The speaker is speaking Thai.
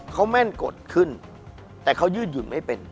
เขาแม่นกฎขึ้นแต่เขายืดหยุ่นไม่เป็น